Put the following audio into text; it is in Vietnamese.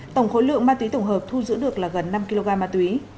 tổng khối lượng ma túy tổng hợp thu giữ được là gần năm kg ma túy